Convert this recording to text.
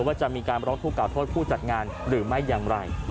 ว่าจะมีการร้องทุกกล่าวโทษผู้จัดงานหรือไม่อย่างไร